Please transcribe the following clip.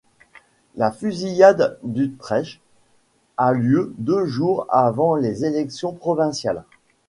La fusillade d'Utretch a lieu deux jours avant les élections provinciales.